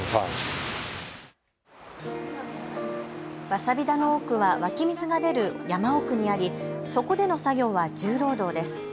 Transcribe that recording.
わさび田の多くは湧き水が出る山奥にあり、そこでの作業は重労働です。